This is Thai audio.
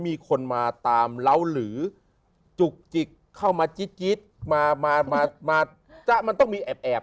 มีคนมาตามเราหรือจุกจิกเข้ามาจี๊ดมามามันต้องมีแอบ